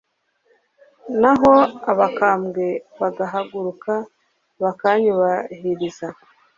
naho abakambwe bagahaguruka banyubahiriza